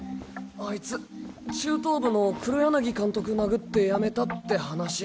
あいつ中等部の黒柳監督殴って辞めたって話。